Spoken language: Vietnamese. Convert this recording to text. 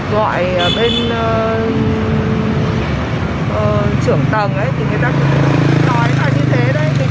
gọi bên trưởng tầng thì người ta cũng nói là như thế thôi